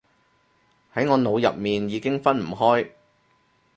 喺我腦入面已經分唔開